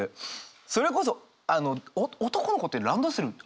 それこそ男の子ってランドセル開いてません？